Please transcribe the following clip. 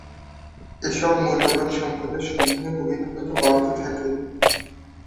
এসব মূল্যবান সম্পদের সন্ধানে বহিরাগত বাড়তে থাকে।